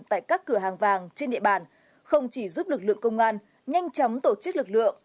tại các cửa hàng vàng trên địa bàn không chỉ giúp lực lượng công an nhanh chóng tổ chức lực lượng